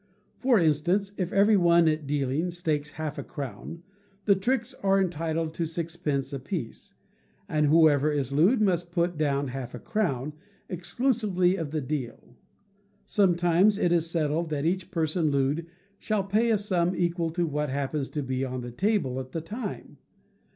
For instance, if every one at dealing stakes half a crown, the tricks are entitled to sixpence a piece, and whoever is looed must put down half a crown, exclusive of the deal; sometimes it is settled that each person looed shall pay a sum equal to what happens to be on the table at the time.